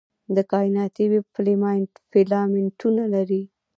د کائناتي ویب فیلامنټونه لري.